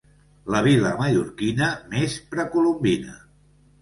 La vila mallorquina més precolombina.